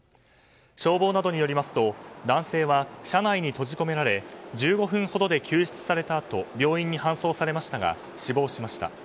消防などによりますと、男性は車内に閉じ込められ１５分ほどで救出されたあと病院に搬送されましたが死亡しました。